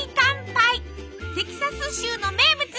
テキサス州の名物！